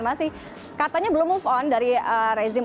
masih katanya belum move on dari rezim